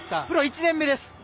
プロ１年目です。